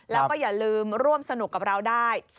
แล้วก็อย่าลืมร่วมสนุกกับเราได้